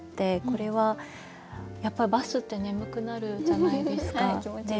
これはやっぱりバスって眠くなるじゃないですか。